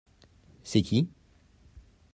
C'est qui ?